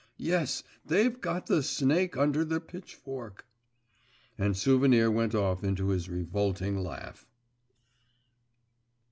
Yes! They've got the snake under the pitch fork!' And Souvenir went off into his revolting laugh.